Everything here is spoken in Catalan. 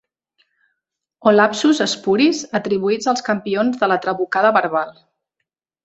O lapsus espuris atribuïts als campions de la trabucada verbal.